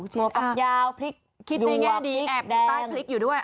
ฉีดอับยาวพริกคิดในแง่ดีแอบดูใต้พริกอยู่ด้วย